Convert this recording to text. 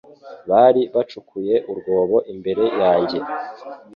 Bari bacukuye urwobo imbere yanjye